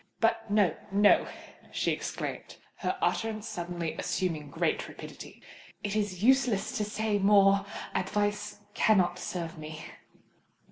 But, no—no," she exclaimed, her utterance suddenly assuming great rapidity, "it is useless to say more: advice cannot serve me!"